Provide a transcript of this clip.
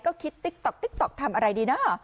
ก็คิดติ๊กต๊อกทำอะไรดีนะ